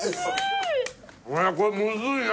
いやこれむずいな！